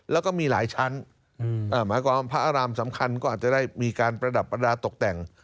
แล้วก็มีหลายชั้นหมายความพระอารามสำคัญก็อาจจะได้มีการประดับประดาษตกแต่ง